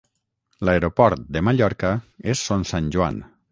L'aeroport de Mallorca és Son Santjoan.